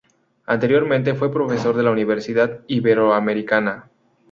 Anteriormente fue profesor de la Universidad Iberoamericana.